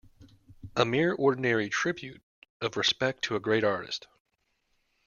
A mere ordinary tribute of respect to a great artist.